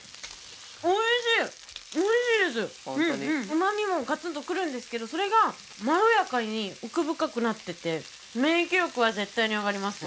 旨味もガツンとくるんですけどそれがまろやかに奥深くなってて免疫力は絶対に上がります